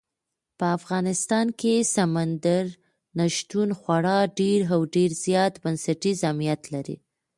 په افغانستان کې سمندر نه شتون خورا ډېر او ډېر زیات بنسټیز اهمیت لري.